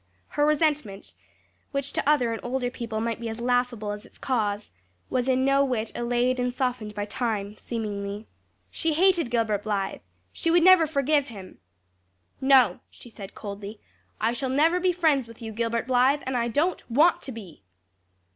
Her resentment, which to other and older people might be as laughable as its cause, was in no whit allayed and softened by time seemingly. She hated Gilbert Blythe! She would never forgive him! "No," she said coldly, "I shall never be friends with you, Gilbert Blythe; and I don't want to be!"